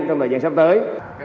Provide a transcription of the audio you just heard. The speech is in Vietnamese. trong thời gian sắp tới